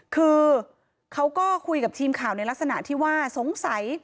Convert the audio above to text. คือเขาก็คุยกับทีมข่าวในลักษณะที่ว่าสงสัย